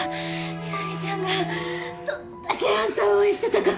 南ちゃんがどんだけあんたを応援してたか。